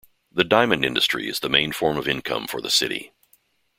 The diamond industry is the main form of income for the city.